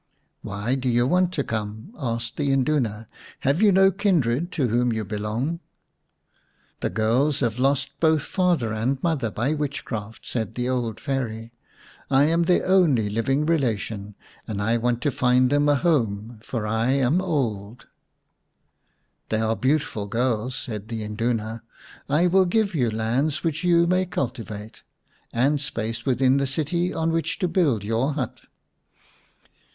" Why do you want to come?" asked the Induna. " Have you no kindred to whom you belong ?"" The girls have lost both father and mother by witchcraft," said the old Fairy. " I am their only living relation, and I want to find them a home, for I am old." 155 The Reward of Industry xm " They are beautiful girls," said the Induna. " I will give you lands which you may cultivate, and space within the city on which to build your hut."